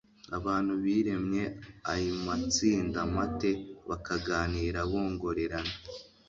Abantu biremye aimatsinda mate bakaganira bongorerana;